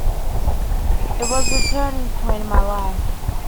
It was the turning point in my life.